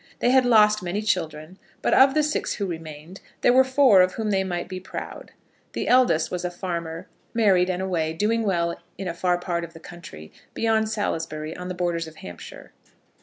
They had lost many children; but of the six who remained, there were four of whom they might be proud. The eldest was a farmer, married and away, doing well in a far part of the county, beyond Salisbury, on the borders of Hampshire.